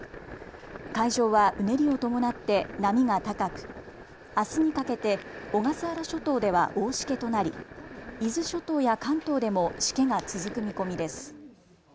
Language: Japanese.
海上はうねりを伴って波が高くあすにかけて小笠原諸島では大しけとなり伊豆諸島や関東でもしけが続く見込みです。